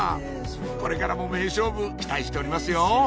これからも名勝負期待しておりますよ